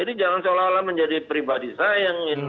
jadi jangan seolah olah menjadi pribadi saya yang ingin